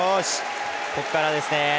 ここからですね。